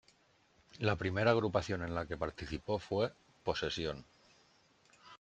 La primera agrupación en la que participó fue "Posesión".